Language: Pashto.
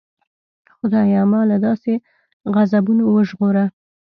خدایه ما له داسې غضبونو وژغوره.